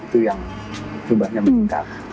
itu yang rubahnya meningkat